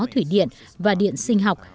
thủy điện và điện sinh học